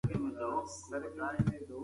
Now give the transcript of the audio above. مبارزه وکړئ.